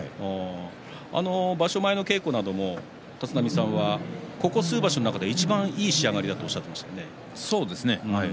場所前の稽古などもここ数場所でいちばんいい仕上がりだとおっしゃっていましたね。